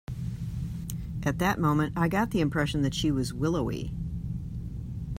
At that moment I got the impression that she was willowy.